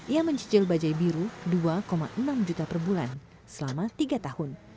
ia mencicil bajaj biru dua enam juta per bulan selama tiga tahun